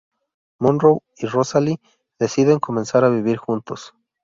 Monroe y Rosalee deciden comenzar a vivir juntos.